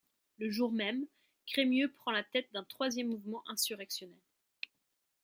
Le jour même, Crémieux prend la tête d'un troisième mouvement insurrectionnel.